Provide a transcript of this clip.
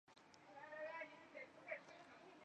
三十九年以户部左侍郎署掌部务。